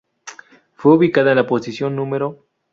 Fue ubicada en la posición No.